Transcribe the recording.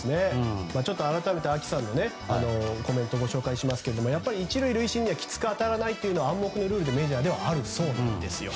改めてＡＫＩさんのコメントをご紹介しますと１塁塁審にはきつく当たらないという暗黙のルールがメジャーにはあるそうなんですよ。